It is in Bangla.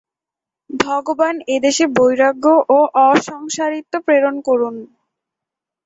ভগবান এদেশে বৈরাগ্য ও অসংসারিত্ব প্রেরণ করুন।